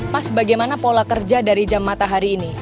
mas bagaimana pola kerja dari jam matahari ini